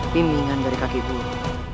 bimbingan dari kakek guru